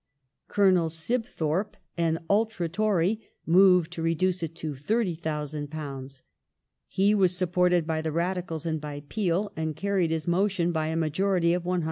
Colonel Sibthorp, an Ultra Tory, moved to reduce it to £30,000 ; he was supported by the Radicals and by Peel, and carried his motion by a majority of 104.